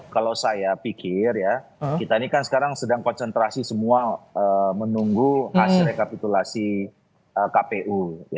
kalau saya pikir ya kita ini kan sekarang sedang konsentrasi semua menunggu hasil rekapitulasi kpu